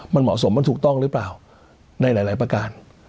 มันเหมาะสมมันถูกต้องหรือเปล่าในหลายประการ